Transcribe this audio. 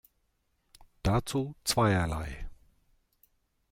Dazu zweierlei.